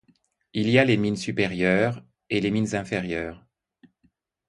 Il y a les mines supérieures et les mines inférieures.